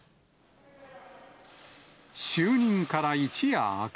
就任から一夜明け。